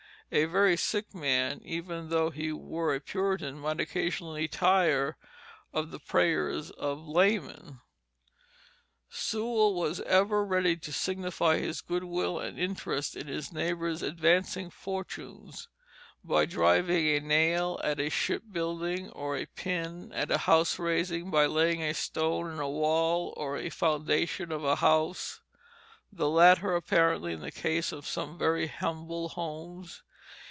A very sick man, even though he were a Puritan, might occasionally tire of the prayers of laymen. Sewall was ever ready to signify his good will and interest in his neighbors' advancing fortunes, by driving a nail at a ship building or a pin at a house raising, by laying a stone in a wall or a foundation of a house, the latter, apparently, in the case of some very humble homes.